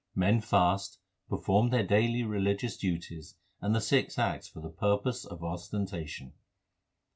Men fast, perform their daily religious duties, and the six acts for the purpose of ostentation.